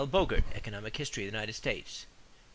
Bogart, Economic History of the United States, pp.